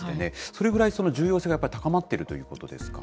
それぐらい重要性がやっぱり高まっているということですか？